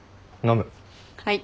はい。